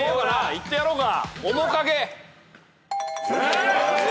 いってやろうか。